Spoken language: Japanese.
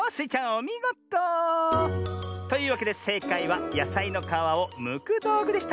おみごと！というわけでせいかいはやさいのかわをむくどうぐでした。